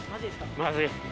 まずい。